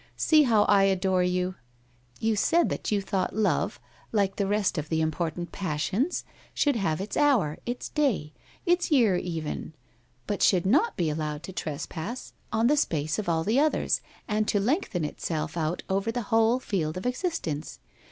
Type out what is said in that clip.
See how I adore you ! You said that you thought love, like the rest of the important passions, should have its hour, its day, its year even, but should not be allowed to trespass on the space of all the others, and to lengthen itself out over the whole field of existence.